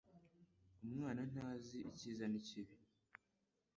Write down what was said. Umwana ntazi icyiza n'ikibi.